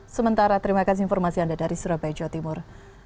sementara terima kasih informasi anda dari surabaya jawa timur